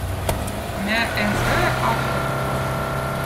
miä en õõ aftobuzaz